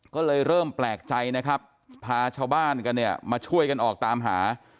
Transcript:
ก็เลยเริ่มแปลกใจนะครับพาชาวบ้านกันเนี่ยมาช่วยกันออกตามหา